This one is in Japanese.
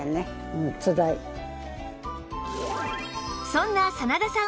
そんな真田さん